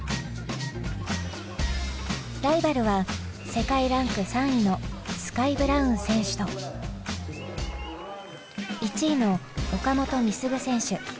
ライバルは世界ランク３位のスカイ・ブラウン選手と１位の岡本碧優選手。